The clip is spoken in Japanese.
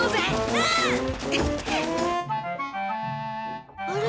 うん！あれ？